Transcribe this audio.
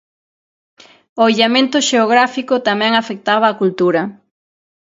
O illamento xeográfico tamén afectaba á cultura.